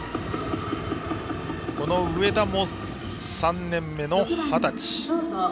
上田も３年目の二十歳。